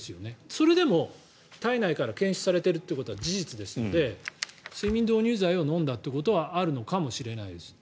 それでも体内から検出されているということは事実ですので睡眠導入剤を飲んだということはあるのかもしれないです。